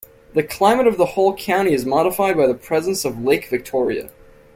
The climate of the whole county is modified by the presence of Lake Victoria.